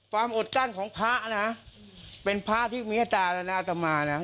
ความอดกั้นของพระนะเป็นพระที่มิจารณาอัตตามานะ